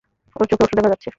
ওর চোখে অশ্রু দেখা যাচ্ছে!